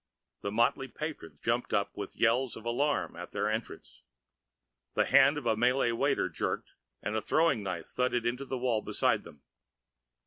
The motley patrons jumped up with yells of alarm at their entrance. The hand of a Malay waiter jerked and a thrown knife thudded into the wall beside them.